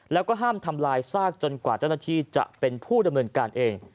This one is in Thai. แล้วก็ห้ามทำลายซากจนกว่าเจ้าหน้าที่จะเป็นผู้ดำเนินการเอง